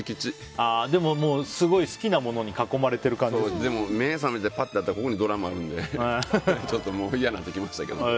好きなものにでも、目が覚めてパッと見たらここにドラムがあるのでちょっと嫌になってきましたけど。